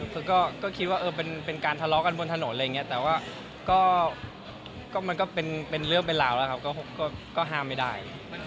คือก็คิดว่าเป็นการทะเลาะกันบนถนนอะไรอย่างนี้แต่ว่าก็มันก็เป็นเรื่องเป็นราวแล้วครับก็ห้ามไม่ได้